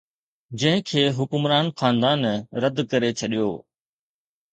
جنهن کي حڪمران خاندان رد ڪري ڇڏيو